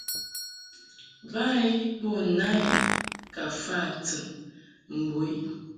Ba i bo na i ka fa tɨn mbo i.